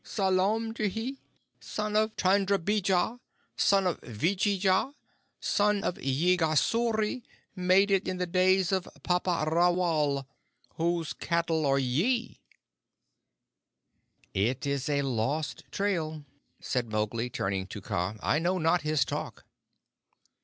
Salomdhi, son of Chandrabija, son of Viyeja, son of Yegasuri, made it in the days of Bappa Rawal. Whose cattle are ye?" "It is a lost trail," said Mowgli, turning to Kaa. "I know not his talk."